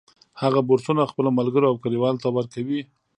هغه بورسونه خپلو ملګرو او کلیوالو ته ورکوي